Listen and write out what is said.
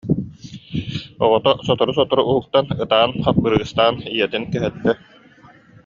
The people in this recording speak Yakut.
Оҕото сотору-сотору уһуктан ытаан, хаппырыыстаан ийэтин кэһэттэ